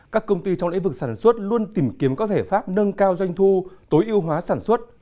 các công ty trong lĩnh vực sản xuất luôn tìm kiếm các giải pháp nâng cao doanh thu tối ưu hóa sản xuất